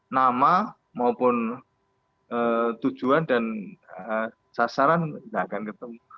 nama maupun tujuan dan sasaran tidak akan ketemu